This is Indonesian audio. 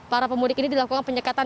para pemudik ini dilakukan penyekatan